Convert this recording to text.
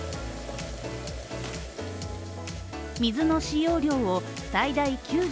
水の使用量を最大９５％